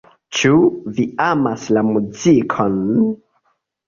Ĉu vi amas la muzikon?